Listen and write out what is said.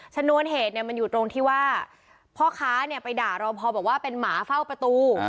ฉะนั้นเหตุเนี่ยมันอยู่ตรงที่ว่าพ่อค้าเนี่ยไปด่ารอพพอบอกว่าเป็นหมาเฝ้าประตู